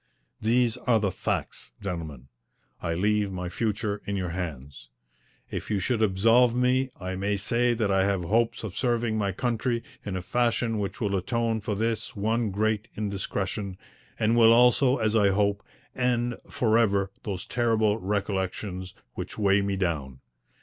These are the facts, gentlemen. I leave my future in your hands. If you should absolve me I may say that I have hopes of serving my country in a fashion which will atone for this one great indiscretion, and will also, as I hope, end for ever those terrible recollections which weigh me down.